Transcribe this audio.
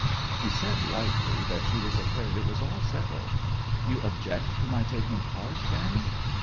She said lightly that she was afraid it was all settled. 'You object to my taking a part, then?